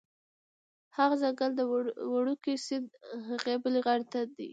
هغه ځنګل د وړوکي سیند هغې بلې غاړې ته دی